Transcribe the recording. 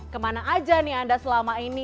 kemana aja nih anda selama ini